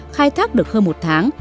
khai thác được hơn một tháng